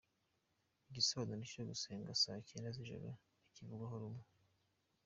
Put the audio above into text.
Igisobanuro cyo gusenga saa cyenda z’ijoro ntikivugwaho rumwe.